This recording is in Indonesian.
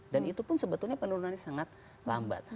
dan itu pun sebetulnya penurunannya sangat lambat